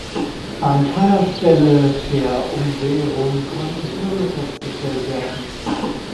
An keiner Stelle der Umwehrung konnten Türme festgestellt werden.